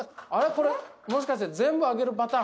これもしかして全部開けるパターン？